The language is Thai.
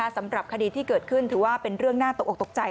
สำหรับคดีที่เกิดขึ้นถือว่าเป็นเรื่องน่าตกออกตกใจ